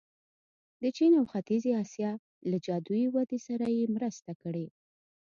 د چین او ختیځې اسیا له جادويي ودې سره یې مرسته کړې.